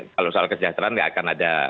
kalau soal kesejahteraan nggak akan ada